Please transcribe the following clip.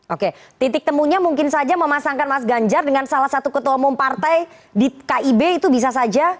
oke titik temunya mungkin saja memasangkan mas ganjar dengan salah satu ketua umum partai di kib itu bisa saja